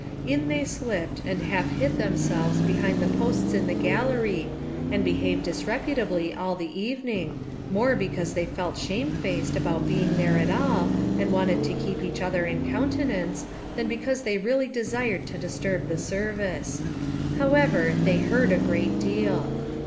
In they slipped and half hid themselves behind the posts in the gallery, and behaved disreputably . all the evening, more because they felt shame faced about being there at all, and wanted to keep each other in countenance, than because they really desired to disturb the service. How ever, they heard a great deal.